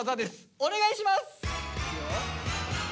お願いします！